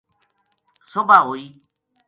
صبح ہوئی